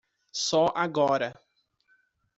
Só agora